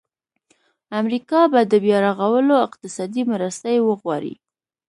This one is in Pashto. امریکا به د بیا رغولو اقتصادي مرستې وغواړي.